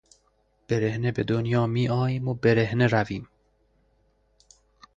برهنه به دنیا میآییم و برهنهی رویم.